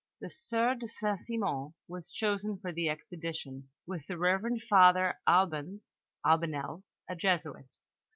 The sieur de St. Simon was chosen for the expedition, with the reverend father Albanes (Albanel), a Jesuit.